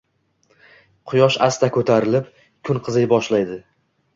Quyosh asta koʻtarilib, kun qiziy boshlaydi.